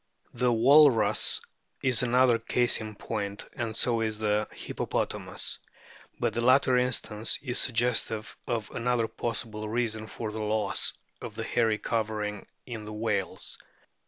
The Walrus is another case in point, and so is the Hippopotamus. But the latter instance is suggestive of another possible reason for the loss of the hairy covering in whales.